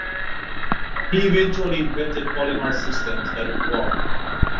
He eventually invented polymer systems that would work.